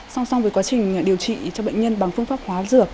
song song với quá trình điều trị cho bệnh nhân bằng phương pháp hóa dược